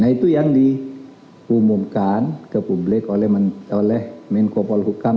nah itu yang diumumkan ke publik oleh minkopol hukam